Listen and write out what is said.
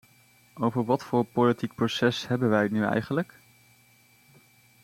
Over wat voor politiek proces hebben wij het nou eigenlijk?